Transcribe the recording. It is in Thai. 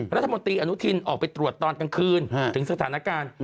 รัฐมนตรีอนุทินออกไปตรวจตอนกลางคืนถึงสถานการณ์